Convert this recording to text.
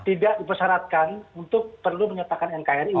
tidak dipersyaratkan untuk perlu menyatakan nkri